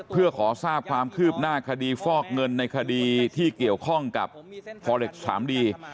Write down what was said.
เพื่อขอทราบความคืบหน้าคดีฟอกเงินในคดีที่เกี่ยวข้องกับฟอเล็กซ์สามดี